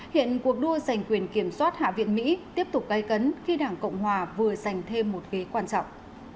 hiện cuộc đua giành quyền kiểm soát hạ viện mỹ tiếp tục gây cấn khi đảng cộng hòa vừa giành thêm một ghế quan trọng